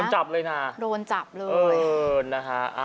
โดนจับเลยนะโดนจับเลยเออนะคะ